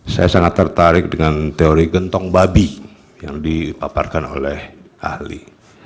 saya sangat tertarik dengan teori gentong babi yang dipaparkan oleh ahli